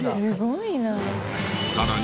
すごいなあ。